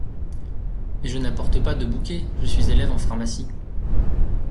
Mais je n’apporte pas de bouquet, je suis élève en pharmacie…